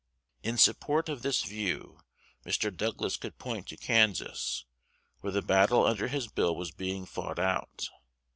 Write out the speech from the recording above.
In support of this view, Mr. Douglas could point to Kansas, where the battle under his bill was being fought out.